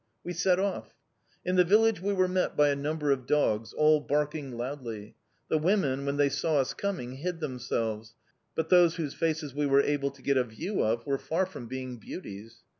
We set off. In the village we were met by a number of dogs, all barking loudly. The women, when they saw us coming, hid themselves, but those whose faces we were able to get a view of were far from being beauties.